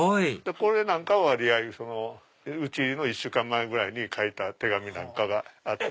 これなんかは討ち入りの１週間前ぐらいに書いた手紙なんかがあって。